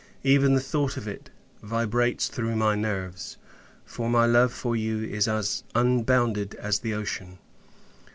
Even the thought of it vibrates through my nerves; for, my love for you is as unbounded as the ocean!